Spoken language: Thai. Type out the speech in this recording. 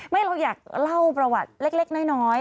เราอยากเล่าประวัติเล็กน้อย